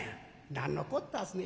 「何のこったんすね」。